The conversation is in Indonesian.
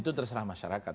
itu terserah masyarakat